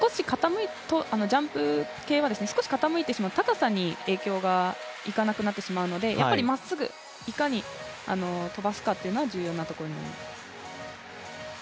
ジャンプ系は少し傾いてしまって高さに影響がいかなくなってしまうので、やっぱりまっすぐいかに飛ばすかっていうのは重要なところになります。